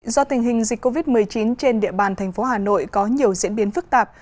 do tình hình dịch covid một mươi chín trên địa bàn thành phố hà nội có nhiều diễn biến phức tạp